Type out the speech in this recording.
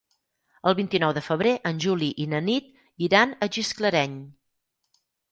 El vint-i-nou de febrer en Juli i na Nit iran a Gisclareny.